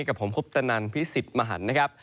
กับผมคุปตนันพิสิทธิ์มหันนะครับ